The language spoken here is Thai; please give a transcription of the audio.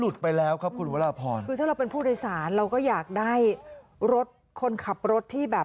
ถ้าเราเป็นผู้โดยสารเราก็อยากได้รถคนขับรถที่แบบ